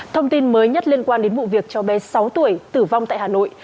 thông tin mới nhất liên quan đến vụ việc cho bé sáu tuổi tử vong tại hà nội